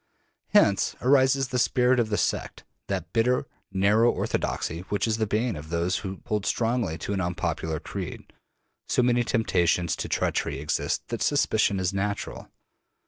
Hence arises the spirit of the sect, that bitter, narrow orthodoxy which is the bane of those who hold strongly to an unpopular creed. So many real temptations to treachery exist that suspicion is natural.